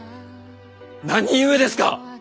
何故ですか？